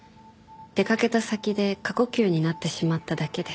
出かけた先で過呼吸になってしまっただけで。